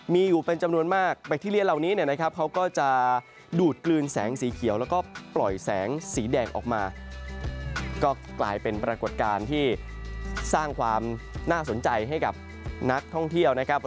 มีอยู่เป็นจำนวนมากแบคทีเรียเหล่านี้เนี่ยนะครับเขาก็จะดูดกลืนแสงสีเขียวแล้วก็ปล่อยแสงสีแดงออกมาก็กลายเป็นปรากฏการณ์ที่สร้างความน่าสนใจให้กับนักท่องเที่ยวนะครับ